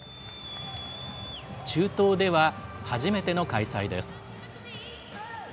中東では初めての開催です。